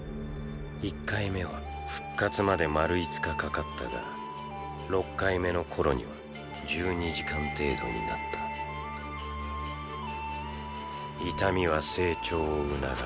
１回目は復活まで丸５日かかったが６回目の頃には１２時間程度になった痛みは成長を促す。